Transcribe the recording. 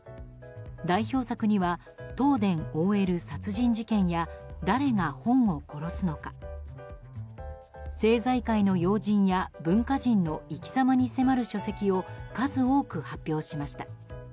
代表作には「東電ＯＬ殺人事件」や「だれが“本”を殺すのか」。政財界の要人や文化人の生きざまに迫る書籍を数多く発表しました。